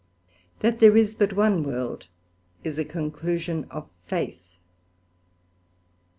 That there is but one World, is a conclusion of Faith.